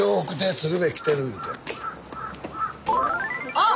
あっ！